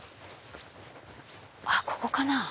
あっここかな？